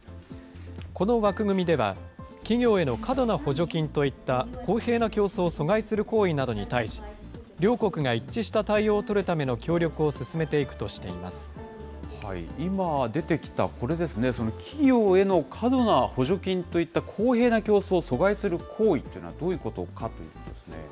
この枠組みでは、企業への過度な補助金といった公平な競争を阻害する行為などに対し、両国が一致した対応を取るための協力を進めていくとしていま今、出てきた、これですね、企業への過度な補助金といった公平な競争を阻害する行為というのはどういうことかということですね。